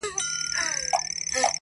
د ملا لوري نصيحت مه كوه ,